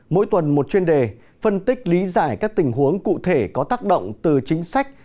mỗi tuần một chuyên đề phân tích lý giải các tình huống cụ thể có tác động từ chính sách